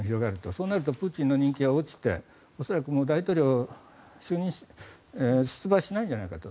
そうなるとプーチンの人気が落ちて恐らく大統領選に出馬しないんじゃないかと。